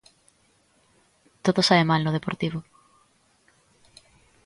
Todo sae mal no Deportivo.